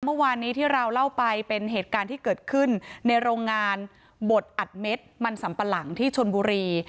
เมื่อวานนี้ที่เราเล่าไปเป็นเหตุการณ์ที่เกิดขึ้นในโรงงานบดอัดเม็ดมันสัมปะหลังที่ชนบุรี